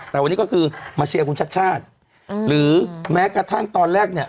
แต่วันนี้ก็คือมาเชียร์คุณชัดชาติหรือแม้กระทั่งตอนแรกเนี่ย